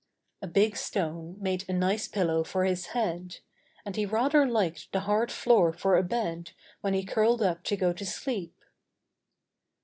A big stone made a nice pillow for his head, and he rather liked the hard floor for a bed when he curled up to go to sleep.